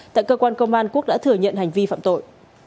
tại cơ quan công an quốc đã thừa nhận hành vi phạm tội